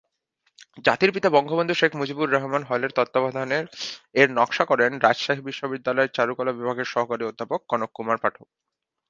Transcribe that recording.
জাতির পিতা বঙ্গবন্ধু শেখ মুজিবুর রহমান হলের তত্ত্বাবধানে এর নকশা করেন রাজশাহী বিশ্ববিদ্যালয়ের চারুকলা বিভাগের সহকারী অধ্যাপক কনক কুমার পাঠক।